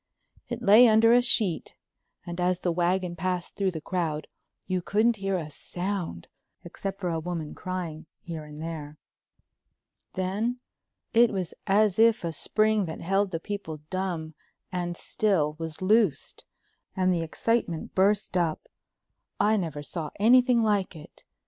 It lay under a sheet and as the wagon passed through the crowd you couldn't hear a sound, except for a woman crying here and there. Then it was as if a spring that held the people dumb and still was loosed and the excitement burst up. I never saw anything like it.